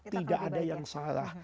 tidak ada yang salah